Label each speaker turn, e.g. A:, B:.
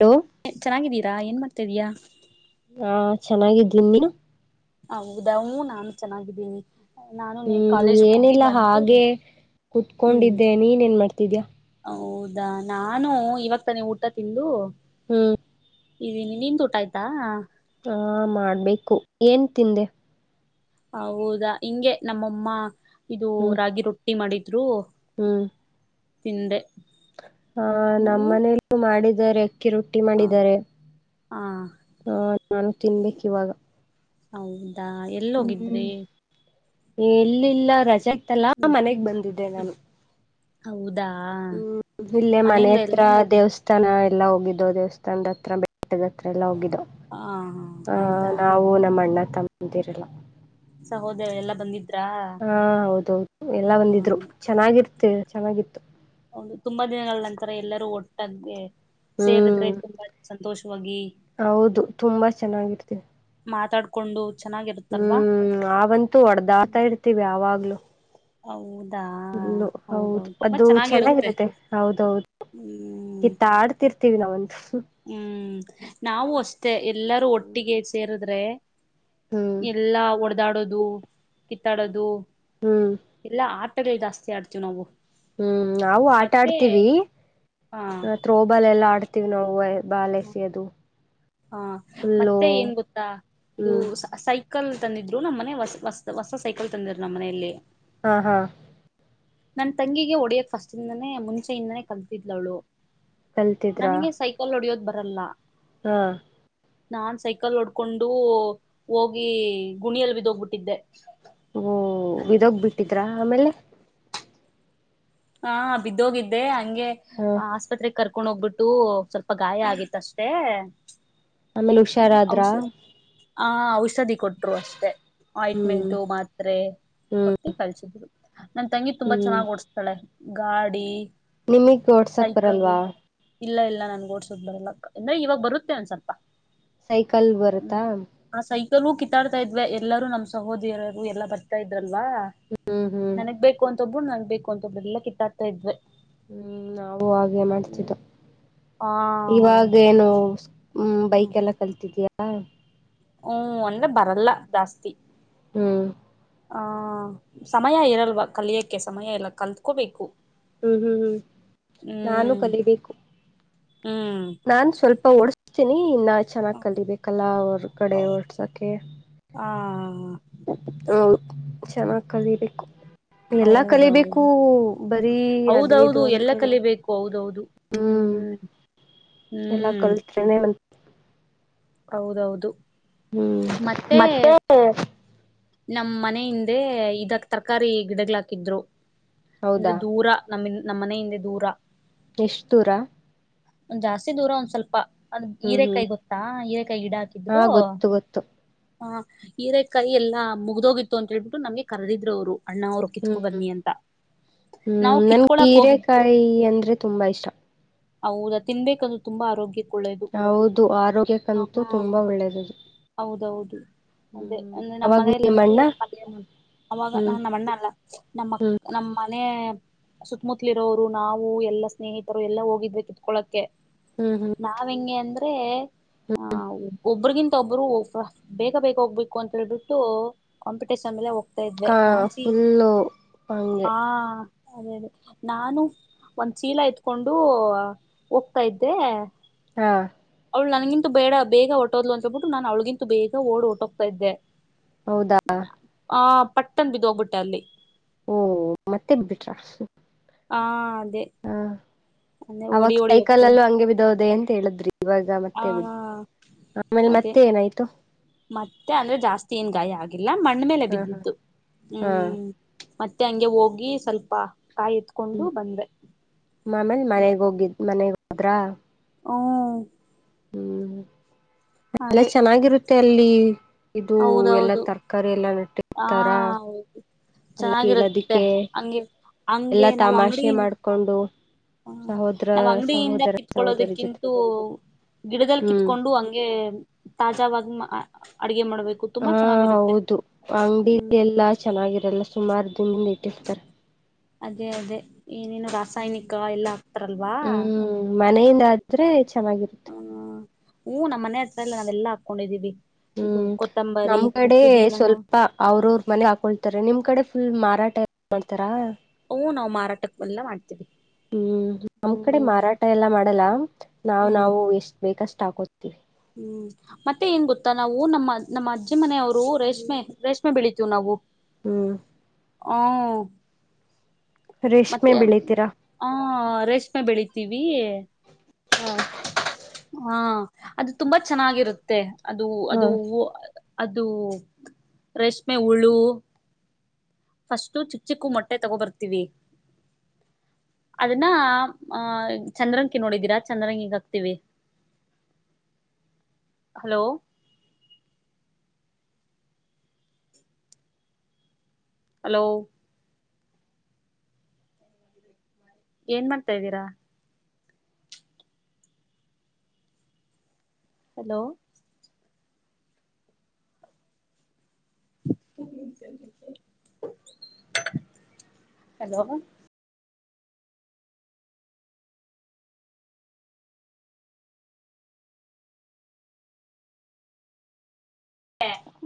A: hello
B: ಚೆನ್ನಾಗಿದ್ದೀರಾ ಏನ್ ಮಾಡ್ತಾ ಇದ್ದೀಯಾ
A: ಹಾ ಚೆನ್ನಾಗಿದೀನ್ ನೀನು
B: ಹೌದಾ ಹು ನಾನು ಚೆನ್ನಾಗಿದ್ದೀನಿ ನಾನು
A: ಹ್ಮ್
B: ಕಾಲೇಜ್ಗೆ ಹೋಗಿ
A: ಏನಿಲ್ಲ
B: ಬಂದು
A: ಹಾಗೆ
B: ಹ್ಮ್
A: ಕುೂತ್ಕೊಂಡಿದ್ದೆ ನೀನ್ ನ್ ಮಾಡಾ್ತಿದ್ಯಾ
B: ಅದಾ ನಾನು ಇವಾಗ ತ ನೀ ಊಟ ತಿಂದು
A: ಹ್ಮ್
B: ಇದೀನಿ ನಿನ್ ಊಟ ಆಯ್ತಾ
A: ಹಾ ಮಾಡ್ಬೇಕು ಏನ್ ತಿಂದೆ
B: ಹೌದಾ ಹಿಂಗೆ ನಮ್ಮಮ್ಮ ಇದು ರಾಗಿ ರೊಟ್ಟಿ ಮಾಡಿದ್ರು
A: ಹಮ್
B: ತಿಂದೆ
A: ಹ
B: ನೀವು
A: ನಮ್ಮನೆಯಲ್ಲಿ ಮಾಡಿದ್ದಾರೆ ಅಕ್ಕಿ ರೊಟ್ಟಿ
B: ಹ
A: ಮಾಡಿದ್ದಾರೆ
B: ಹ
A: ಆ ನಾನು ತಿನ್ಬೇಕು ಇವಾಗ
B: ಹೌದಾ ಎಲ್ಲಿೋಗಿದ್ರಿ
A: ಹ್ಮ್ ಎಲ್ಲಿಲ್ಲ ರಜೆ ಆಗ್ತಲ್ಲಾ ಮನೆಗ್ ಬಂದಿದ್ದೆ ನಾನು
B: ಹೌದ
A: ಹ್ಮ್ ಇಲ್ಲೇ ಮನೆ ಹತ್ರ ದೇವಸ್ಥ ಜನ ಎಲ್ಲ ಹೋಗಿದ್ದವು ದೇವಸ್ಥಾನದ ಹತ್ರ ಬೆಟ್ಟದ ಹತ್ರ ಎಲ್ಲ ಹೋಗಿ
B: ಹ
A: ಆ
B: ಹೌದಾ
A: ನಾವು ನಮ್ಮ ಅಣ್ಣ ತಮ್ಮಂದಿರಲ್ಲ
B: ಸಹೋದಯ ಎಲ್ಲ ಬಂದಿದ್
A: ಹಾ ಹೌದೌದು ಎಲ್ಲ ಒಂದಿದ್ರು
B: ಹ್ಮ
A: ಚೆನ್ನಾಗಿರ್ತ ಚೆನ್ನಾಗಿತ್ತು
B: ಹೌದು ತುಂಬಾ ದಿನಗಳ ನಂತರ ಎಲ್ಲರೂ ಒಟ್ಟದಗೆ
A: ಹ್ಮ್
B: ಸೇರಿದ್ರೆ ತುಂಬಾ ಸಂತೋಷವಾಗಿ
A: ಹೌದು ತುಂಬಾ ಚೆನ್ನಾಗಿರ್ತೀವಿ
B: ಮಾತಾಡ್ಿಕೊಂಡು
A: ಹ್ಮ್ ಅವಂತೂ ಹೊಡದಾತ ಇರ್ತೀವಿ ಯಾವಾಗ್ಲುೂ
B: ಹೌದು
A: ಇಲ್ಲು ಹೌದು ಅದು ಚೆನ್ನಾಗಿರುತ್ತೆ ಹೌದೌದು
B: ಹ್ಮ್
A: ಗಿತ್ತ ಆಡ್ತಿರ್ತೀವಿ ನಾವಂತ
B: ಹ್ಮ್ ನಾವವು ಅಷ್ಟೇ ಎಲ್ಲರೂ ಒಟ್ಟಿಗೆ ಸೇರದ್ರೆ
A: ಹ್ಮ್
B: ಎಲ್ಲಾ ಹೊಡೆದಾಡೋದು ಕಿತ್ತಾಡೋದು
A: ಹ್ಮ್
B: ಎಲ್ಲ ಆಟಗಳು ಜಾಸ್ತಿ ಆಡ್ತೀವಿ ನಾವು
A: ಹ್ಮ್ ನಾವು ಆಟಾ
B: ಮತ್ತೆ
A: ಆಡ್ತೀವಿ
B: ಹಾ
A: ಥ್ರೋಬಾಲ್ ಎಲ್ಲಾ ಆಡ್ತೀವಿ್ ನಾವು ಬಾಲ್ ಎಸೆಯೋದು
B: ಹಾ
A: ಫುಲ್ಲು
B: ಮತ್ತೆ ಏನ್ ಗೊತ್ತಾ ಇದು
A: ಹ್ಮ್
B: ಸೈ ಸೈಕಲ್ ತಂದಿದ್ರು ನಮ್ಮ್ ಮನೆ ಹೊಸ ಹೊಸ ಸೈಕಲ್ ತಂದಿದ್ರು ನಮ್ಮ ಮನೆಯಲ್ಲಿ
A: ಹಾ ಹಾ
B: ನನ್ ತಂಗಿಗೆ ಹೊಡಿಯಕ್ ಫಸ್ಟ್ ಇಿಂದಾನೇ ಮುಂಚೆೆಯಿಂದಾನೇ ಕಲ್ತಿದ್ಲವಳು
A: ಕಲ್ತಿದ್ರಾ
B: ನನ್ಗೆ ಸೈಕಲ್ ಹೊಡಿಯೋದ ಬರಲ್ಲ
A: ಹಾ
B: ನಾನ್ ಸೈಕಲ್ ಒಡ್ಕೊಂಡು ಹೋಗಿ ಗುಣಿಯಲ್ ಬಿದೋಗ್ಬಿಟ್ಟಿದ್ದೆ
A: ಓ ವಿದೋಗ್ ಬಿಟ್ಟಿದ್ರ ಆಮೇಲೆ
B: ಹಾ ಬಿದ್ದೋಗಿದ್ದೆ ಹಂಗೆ
A: ಹ
B: ಆಸ್ಪತ್ರೆ ಕರ್ ಕಕೊಂಡ ಹೋಗ್ಬಿಟ್ಟು ಸ್ವಲ್ಪ ಗಾಯ ಆಗಿತ್ತ ಅಷ್ಟೇ
A: ಆಮೇಲೆ ಹುಷಾರಾದ್ರ
B: ಆ ಔಷಧಿ ಕೊಟ್ಟರು ಅಷ್ಟೆ
A: ಹ್ಮ್
B: ಆಯಿಟ್ಮೆಂಟು ಮಾತ್ರೆ
A: ಹ್ಮ್
B: ಕೊಟ್ಟು ಕಲಸಿದ್ರು ನನ್ ತಂಗಿ ತುಂಬಾ
A: ಹ್ಮ್
B: ಚೆನ್ನ್ಓಡ್ಸ್ತ ಗಾಡಿ
A: ನಿಮಗ್ ಓಡ್ಸಕ್
B: ಸೈಕಲ್ಲು
A: ಬರಲ್ವಾ
B: ಇಲ್ಲ ಇಲ್ಲ ನಾನ್ ೋಡ್ಸಡ್ ಬರ್ಲ್ಲ ಅಂದ್ರೆ ಇವಾಗ ಬರುತ್ತೆ ಒಂದ್ ಸ್ವಲ್ಪ
A: ಸೈಕಲ್ ಬರತ್ತಾ
B: ೂ ಕಿತ್ತಾಡ್ತಾ ಇದ್ವಿ ಎಲ್ಲರೂ ನಮ್ಮ ಸಹೋದರರು ಎಲ್ಲ ಬರ್ತಾ ಇದಾರೆ ಅಲ್ವಾ
A: ಹ್ಮ್ ಹ್ಮ್
B: ನನಗ್ ಬೇಕು ಅಂತ ಒಬ್ಬರು ನನಗ್ ಬೇಕು ಅಂತ ಒಬ್ ಎಲ್ಲ ಕಿತ್ತಾಡ್ತಾ ಇದ್ವೆ
A: ಹ್ಮ್ ನಾವೂ ಹಾಗೆ ಮಾಡ್ತಿದ್ದ
B: ಆ ಹೌದು
A: ಇವಾಗೇನು ಹ್ಮ್ ಬೈಕ್ ಎಲ್ಲ ಕಲ್ತಿದಯಾ
B: ಹ್ಮ ಒಂದೆ ಬರಲ್ಲ ಜಾಸ್ತಿ
A: ಹ್ಮ್
B: ಆ ಸಮಯ ಇರಲ್ವ ಕಲಿಯೋಕ್ಕೆ ಸಮಯ ಎಲ್ಲ ಕಲ್ತ್ಕೋಬೇಕು
A: ಹ್ಮ್ ಹ್ಮ್ ಹ್ಮ್ ನಾನೂ
B: ಹ್ಮ್
A: ಕಲಿಬೇಕು
B: ಹ್ಮ್
A: ನಾನ್ ಸ್ವಲ್ಪ ಓಡಸ್ತೀನಿ ಇನ್ನ ಚೆನ್ನಾಗ್ ಕಲಿಬೇಕಲ್ಲ ಅವರ್ಗಡೆ ಓಡ್ಸಕೆ
B: ಹ
A: ಹೌದು ಚೆನ್ನಾಗಿ್ ಕಲಿೀಬೇಕು ಎಲ್ಲಾ ಕಲಿಬೇಕು
B: ಹೌದೌದು
A: ಬರೀ ಅದೇ ಇದು
B: ಹೌದೌದು ಎಲ್ಲ
A: ಅನ್ಕೊಂಡು
B: ಕಲಿಬೇಕು ಹೌದೌದು
A: ಹ್ಮ್ ಎಲ್ಲಾ
B: ಹ್ಮ್
A: ಕಲ್ತ್್ರನೆ ಬಂತ
B: ಹೌದೌದು ಮತ್ತೆ ನಮ್ಮ್ ಮನ ಹಿಂದೆ ಇದಕ್ ತರಕಾರಿ ಗಿಡಗ್ಗಳ ಹಾಕಿದ್ರು
A: ಹೌದಾ
B: ಅಂದ್ರೆ ದೂರ ನಮ್ಮ ನಮ್ಮನ ಹಿಂದೆ ದೂರ
A: ನಿಷ್ತುರ
B: ಒಂದ್ ಜಾಸ್ತಿ ದೂರ ಒಂದ್ ಸ್ವಲ್ಪ ಅದ್
A: ಹ್ಮ್ ಹ್ಮ್
B: ಹೀರೆೇಕಾಯಿ ಗೊತ್ತಾ ಹ ಕ ಗಿಡ
A: ಹಾ
B: ಹಾಕಿದ್ರು
A: ಗೊತ್ತು ಗೊತ್ತು
B: ಹ ಹೀರೆಕಾಯಿ ಎಲ್ಲಾ ಮುಗ್ದೋಗಿತ್ತು ಅಂತ ಹೇಳೇಳ್ಬಿಟ್ಟು ನಮ್ಗೆ ಕರೆದಿದ್ರು ಅವ್ರು ಅಣ್ಣ ಅವರು ಕಿತ್ಕೊ
A: ಹ್ಮ್
B: ಬನ್ನನಿ ಅಂತ
A: ಹ್ಮ್
B: ನಾವು
A: ನನ್
B: ಕಿತ್ಕೊಳಕ್ ಹೋಗಿದ್ದು
A: ಹೀರೆಕಾಯಿ ಅಂದ್ರೆ ತುಂಬಾ ಇಷ್ಟ
B: ಹೌದಾ ತಿನ್ಬೇಕದು ತುಂಬಾ ಆರೋಗ್ಯ
A: ಹೌದು ಆರೋಗ್ಯಕ್ಕಂತೂ ತುಂಬಾ ಒಳ್ಳೆದದು
B: ಅ ಅ ನಮ್ಮ
A: ನಿಮ್ಮಣ್ಣ
B: ಪಲ್ಯ ಅವಾಗ
A: ಹ್ಮ್
B: ನ ಅಣ್ಣ ಅಲ್ಲ ನಮ್ಮ ನಮ್ಮ ಮನೆ ಸುತ್ತಮುತ್ತಲಿ ಇರೋರು ನಾವು ಎಲ್ಲಾ ಸ್ನೇಹಿತರು ಎಲ್ಲಾ ಹೋಗಿದ್ೆ ಕಿತ್ಕೊಳಕ್ಕೆೆ
A: ಹ್ಮ್ ಹ್ಮ್
B: ನಾವ ಹೆಂಗೆ ಅಂದ್ರೆ ಆ ಒ ಒಬ್ರಗಿಂತ ಒಬ್ಬರು ಬೇಗ ಬೇಗ ಹೋಗ್ಬೇಕು ಅಂತ ಹೇಳ್ಬಿಟ್ಟು ಕಾಂಪಿಟೇಷನ್ ಮೇಲೆೋಗ ತ ಇದೆ
A: ಕಾ
B: ನಾನ್ಚಿ
A: ಫುಲ್ಲು ಹಂಗೆ
B: ಹಾ ಅದೇ ಅದೇ ನಾನು ಒಂದ್ ಚೀಲ ಇತ್ಕೊಂಡು ಹೋಗ್ತಾ ಇದ್ದೆ
A: ಹಾ
B: ಅವಳ ನನ್ಗಿಂತ ಬೇಡ ಬೇಗ ಹೊಟದ್ ಅಂತೇಳ್ಬಿಟ್ಟು ನಾನನ್ ಅವಳಗಿಂತ ಬೇಗ ಓಡ್ ಹೊಟೋಗ್ತಾ್ದೆ
A: ಹೌದಾ
B: ಆ ಪಟ್ಟನ್ ಬಿದ ಹೋಗ್ಬಿಟ್ಟೆ ಅಲ್ಲಿ
A: ಓ ಮತ್ತೆ ಬಿಟ್ರಾಸ
B: ಹಾ ಅದೇ ಅದೇ
A: ಅವಾಗ
B: ಓಡಿ ಓಡಿ
A: ಸೈಕಲ್
B: ಹೋಗ್ತೇನೆ
A: ಅಲ್ಲೂ ಹಂಗೆ ಬಿದ್ದೋದೇನ್
B: ಆ
A: ಮತ್ತೆ ಬಿ ಆಮೇಲೆ
B: ಅದೇ
A: ಮತ್ತೆ ಏನಾಯ್ತು
B: ಮತ್ತೆ ಅಂದ್ರೆ ಜಾಸ್ತಿ ಏನ್ ಗಾಯ ಆಗಿಲ್ಲ ಮಣ್ಣ್ಮೇಲೆ
A: ಹಾ ಹಾ
B: ಬಿದ್ದಿದ್ದು ಹ್ಮ್
A: ಹಾ
B: ಮತ್ತೆ ಹಂಗೆ ಹೋಗಿ ಸ್ವಲ್ಪ ಕಾಯಿ ಎತ್ಕೊಂಡು
A: ಹ್ಮ್
B: ಬಂದ್ವೆ
A: ಮಾಮೇಲಿ ಮನೆಗ್ ಹೋಗಿದ್ ಮನೆಗ್ ಹದ್ರ
B: ಹ
A: ಅಲ್ಲ ಚೆನ್ನಾಗಿರುತ್ತೆ ಅಲ್ಲಿ ಇದು ಎಲ್ಲಾ
B: ಹೌದೌದು
A: ತರಕಾರಿ ಎಲ್ಲಾ ನೆಟ್ಟಿ
B: ಹಾ
A: ಇತಾರ
B: ಹೌದು
A: ಎಲ್ಲ
B: ಚೆನ್ನಾಗಿರುತ್ತೆ
A: ಕೇಳೋದಿಕ್ಕೆ
B: ಹಂಗೆ ಹಂಗೆ
A: ಎಲ್ಲಾ
B: ನಾವು
A: ತಮಾಷೆ
B: ಅಂಗಡಿಯಿಂದ
A: ಮಾಡ್ಕೊಂಡು
B: ಹ
A: ಸಾವ
B: ನಾವ್ ಅಂಗಡಿಯಿಂದ ಕಿತ್ಕೊಳ್ಳೋದಕ್ಕಿಂತೂ ಗಿಡದಲ್ಲಿ
A: ಹ್ಮ್
B: ಕಿತ್ಕೊಂಡು ಹಂಗೆ ತಾಜಾವಾಗ
A: ಹಾ ಹೌದು ಅಂಗಡಿ
B: ಹ್ಮ್
A: ಎಲ್ಲಾ ಚೆನ್ನಾಗಿರಲ್ಲ ಸುಮಾರು ತಿು ನಟ್ಟರ್ತಾರೆ
B: ಅದೇ ಅದೇ ಏನೇನು ರಾಸಾಯನಿಕ ಎಲ್ಲ ಆಗ್ತಾರಲ್ವಾ
A: ಹ್ಮ್ ಮನೆಯಿಂದ ಆದ್ರೆ
B: ಅದಕ್ಕೆ
A: ಚೆನ್ನಾಗಿರುತ್ತೆ
B: ಹೂ ಹೂ ನಮ್ಮ್ನೆ ಹತ್ರ ಎಲ್ಲಾಾವ ಎಲ್ಲಾ ಹಾಕೊಂಡಿದ್ದೀವಿ
A: ಹೂ ನಮ್ ಕಡೆ ಸ್ವಲ್ಪ ಅವ್ರವ್ರ ಮನೆ ಹಾಕೊಳ್ತಾರೆ ನಿಮ್ ಕಡೆ ಫುಲ್ ಮಾರ್ ಪರಾಟೆ ಮಾಡ್ತಾರಾ
B: ಹೂ ನಾವು ಮಾರಾಟಕ್ಕೆವೆಲ್ಲ ಮಾಡ್ತೀವಿ
A: ಹೂ ನಮ್ ಕಡೆ
B: ಹ್ಮ್
A: ಮಾರಾಟ ಎಲ್ಲಾ ಮಾಡಲ್ಲ ನಾವು ನಾವು ಎಷ್ಟ್ ಬೇಕಷ್ಟ ಹಾಕೋತೀವಿ
B: ಹೂ ಮತ್ತೆ ಏನ್ ಗೊತ್ತಾ ನಾವು ನಮ್ಮ ನಮ್ಮ ಅಜ್ಜಿ ಮನೆಯವರು ರೇಷ್ಮೆ ರೇಷ್ಮೆ ಬೆಳಿತವಿ ನಾವು
A: ಹೂ
B: ಆ
A: ರೇಷ್ಮೆ
B: ಮತ್ತೆ
A: ಬೆಳಿತೀರಾ
B: ಹಾ ರೇಷ್ಮೆ ಬೆಳಿತೀವಿ ಹಾ ಅದು ತುಂಬಾ ಚೆನ್ನಾಗಿರುತ್ತೆ ಅದು ಅದು
A: ಹಾ
B: ಅದು ರೇಷ್ಮೆ ಹುಳು ಫಸ್ಟ್ ಚಿಕ್ಕ ಚಿಕ್ಕು ಮೊಟ್ಟೆ ತಗೋಬರ್ತೀವಿ ಅದನ್ನ ಆಹ ಚಂದ್ರಕಿ ನೋಡಿದೀರಾ ಚಂದ್ರಂಗಿಗ ಹಾಕ್ತಿೀವಿ ಹಲೋ ಹಲೋ ಏನ್ ಮಾಡ್ತಾ ಇದ್ದೀರಾ ಹಲೋ ನಿ ಹಲೋ
A: ಹಾ